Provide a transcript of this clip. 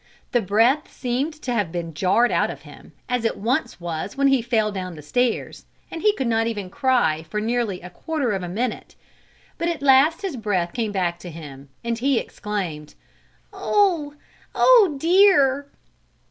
The breath seemed to have been jarred out of him, as it was once when he fell down stairs, and he could not even cry for nearly a quarter of a minute. But at last his breath came back to him, and he exclaimed: "Oh! Oh, dear!"